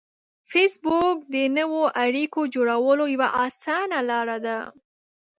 فېسبوک د نوو اړیکو جوړولو یوه اسانه لار ده